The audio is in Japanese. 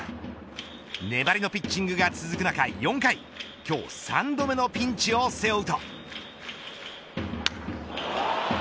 粘りのピッチングが続く中４回、今日３度目のピンチを背負うと。